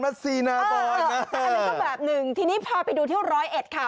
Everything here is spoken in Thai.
อันนี้ก็แบบหนึ่งทีนี้พาไปดูที่ร้อยเอ็ดค่ะ